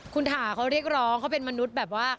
คุณถาเขาเรียกร้องเขาเป็นมนุษย์แบบว่า